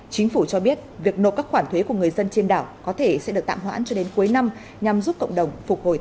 chính phủ cho biết việc nộp các khoản thuế của người dân trên đảo có thể sẽ được tạm hoãn cho đến cuối năm nhằm giúp cộng đồng phục hồi